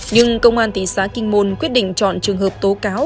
nhưng công an thị xã kinh môn quyết định chọn trường hợp tố cáo